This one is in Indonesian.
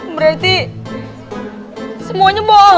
berarti semuanya bohong